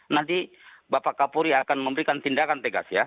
nanti bapak kapolri akan memberikan tindakan tegas ya